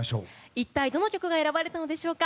一体どの曲が選ばれたのでしょうか。